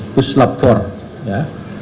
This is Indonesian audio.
puslab for ya